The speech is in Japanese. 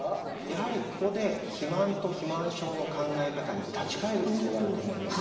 やはりここで肥満と肥満症の考え方に立ち返る必要があると思います。